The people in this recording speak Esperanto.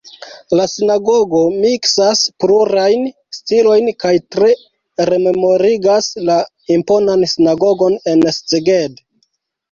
La sinagogo miksas plurajn stilojn kaj tre rememorigas la imponan sinagogon en Szeged.